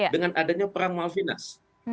dengan adanya perang malvinas